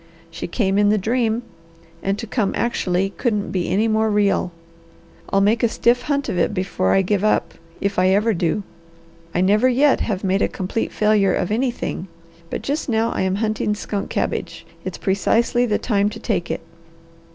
She came in the dream, and to come actually couldn't be any more real. I'll make a stiff hunt of it before I give up, if I ever do. I never yet have made a complete failure of anything. But just now I am hunting skunk cabbage. It's precisely the time to take it."